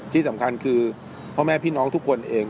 ที่สำคัญคือพ่อแม่พี่น้องทุกคนเอง